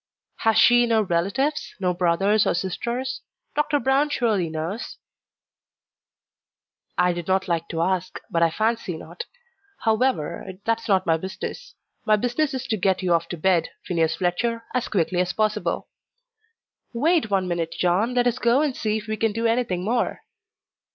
"Has she no relatives, no brothers or sisters? Doctor Brown surely knows." "I did not like to ask, but I fancy not. However, that's not my business: my business is to get you off to bed, Phineas Fletcher, as quickly as possible." "Wait one minute, John. Let us go and see if we can do anything more."